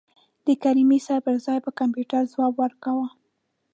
د کریمي صیب پر ځای به کمپیوټر ځواب ورکاوه.